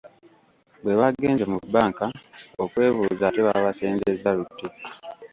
Bwe baagenze mu bbanka okwebuuza ate babasenzezza luti